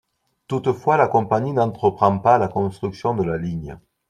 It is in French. Toutefois la compagnie n'entreprend pas la construction de la ligne.